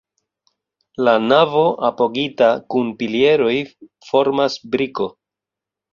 La navo apogita kun pilieroj formas briko.